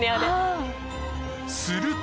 すると。